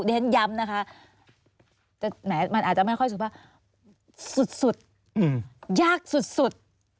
ฉันย้ำนะคะมันอาจจะไม่ค่อยสุภาพสุดยากสุด